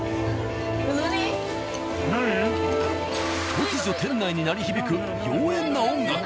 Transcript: ・突如店内に鳴り響く妖艶な音楽。